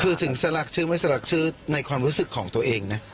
คือถึงสลักชื่อไม่สลักชื่อในความรู้สึกของตัวเองนะ